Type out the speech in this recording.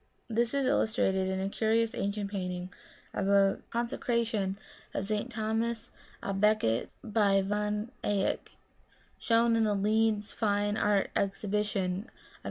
This is illustrated in a curious ancient painting of the consecration of St. Thomas a Becket by Van Eyck, shown in the Leeds Fine Art Exhibition of 1868.